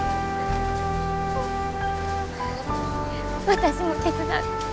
私も手伝う。